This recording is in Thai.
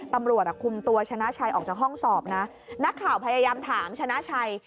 ตำรวจคุมตัวชนะชัยออกจากห้องสอบนะนักข่าวพยายามถามชนะชัย